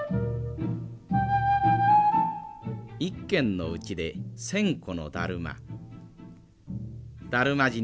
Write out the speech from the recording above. １軒のうちで１，０００個のだるま。